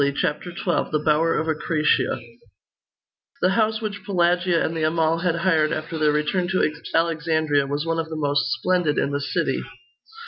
CHAPTER XII: THE BOWER OF ACRASIA The house which Pelagia and the Amal had hired after their return to Alexandria, was one of the most splendid in the city.